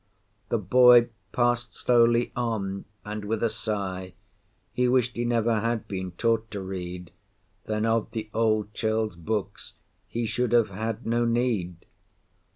The boy pass'd slowly on, and with a sigh He wish'd he never had been taught to read, Then of the old churl's books he should have had no need.